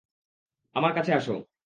আমার কাছে আসো!